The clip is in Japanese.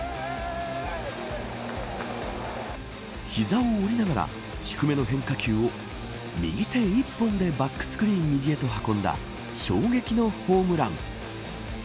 膝を折りながら低めの変化球を右手１本でバックスクリーン右へと運んだ衝撃のホームラン。